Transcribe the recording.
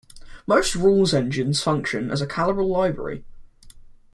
Most rules engines function as a callable library.